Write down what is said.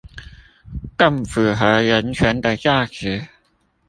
更符合人權的價值